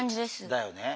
だよね。